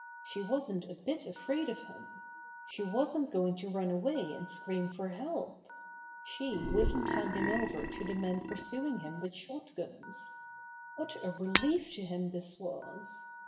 She wasn't a bit afraid of him! She wasn't going to run away and scream for help. She wouldn't hand him over to the men pursuing him with shot guns. What a relief to him this was